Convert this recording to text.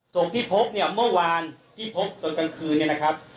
ศพที่พบเนี่ยเมื่อวานที่พบตอนกลางคืนเนี่ยนะครับ